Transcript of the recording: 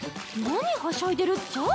何はしゃいでるっちゃ？